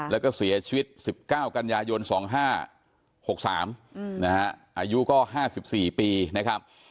แล้วก็เสียชีวิต๑๙กันยายน๒๕๖๓นะฮะอายุก็๕๔ปีนะครับ